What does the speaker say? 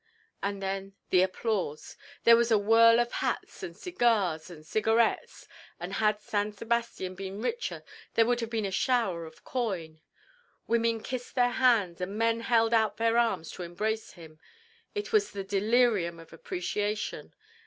And then the applause! There was a whirl of hats and cigars and cigarettes, and had San Sabastian been richer there would have been a shower of coin. Women kissed their hands and men held out their arms to embrace him. It was the delirium of appreciation.